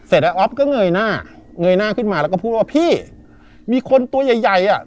อ๊อฟก็เงยหน้าเงยหน้าขึ้นมาแล้วก็พูดว่าพี่มีคนตัวใหญ่ใหญ่อ่ะ